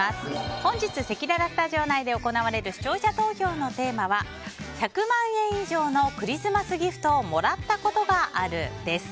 本日せきららスタジオ内で行われる視聴者投票のテーマは１００万円以上のクリスマスギフトをもらったことがあるです。